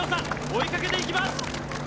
追いかけていきます。